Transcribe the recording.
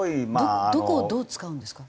どこをどう使うんですか？